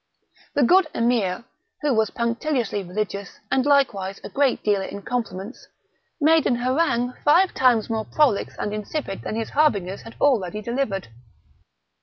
The good Emir, who was punctiliously religious, and likewise a great dealer in compliments, made an harangue five times more prolix and insipid than his harbingers had already delivered.